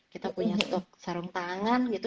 kita punya stok sarung tangan gitu